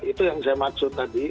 itu yang saya maksud tadi